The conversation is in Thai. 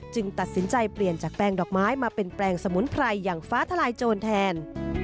ตัดสินใจเปลี่ยนจากแปลงดอกไม้มาเป็นแปลงสมุนไพรอย่างฟ้าทลายโจรแทน